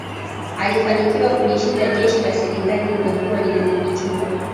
Alifanikiwa kulishinda jeshi la serikali lililokuwa linadhibitiwa